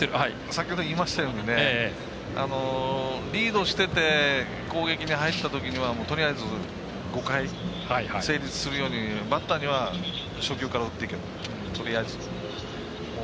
先ほど言いましたようにリードしてて攻撃に入ったときにはとりあえず５回成立するようにバッターには初球から打っていけとりあえず。